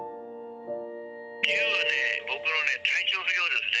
理由はね、僕の体調不良ですね。